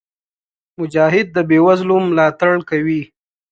مجاهد د بېوزلو ملاتړ کوي.